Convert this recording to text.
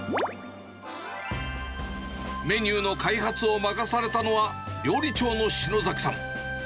メニューの開発を任されたのは、料理長の篠崎さん。